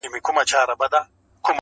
نوي نوي تختې غواړي کنې یاره .